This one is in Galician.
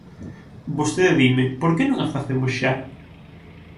Vostede dime: ¿por que non a facemos xa?